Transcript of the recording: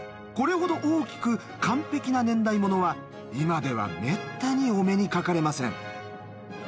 これほど大きく完璧な年代物は今ではめったにお目にかかれません。